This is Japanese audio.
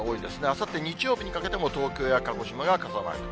あさって日曜日にかけても、東京や鹿児島が傘マーク。